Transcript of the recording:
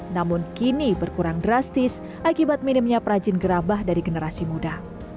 namun kini berkurang drastis akibat minimnya perajin gerabah dari generasi muda